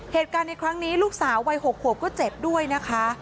เหตุการณ์ในครั้งนี้ลูกสาววัย๖ขวบก็เจ็บด้วยนะคะ